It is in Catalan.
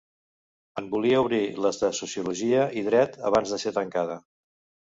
En volia obrir les de Sociologia i Dret abans de ser tancada.